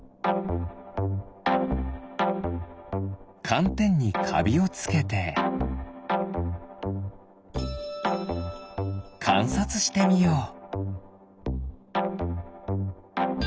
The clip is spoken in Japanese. かんてんにかびをつけてかんさつしてみよう。